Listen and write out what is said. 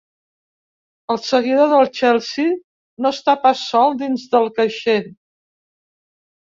El seguidor del Chelsea no està pas sol dins del caixer.